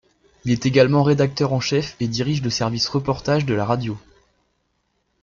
Il est également rédacteur en chef et dirige le service reportage de la radio.